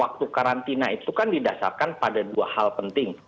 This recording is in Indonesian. waktu karantina itu kan didasarkan pada dua hal penting